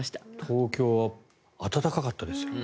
東京は暖かかったですよ。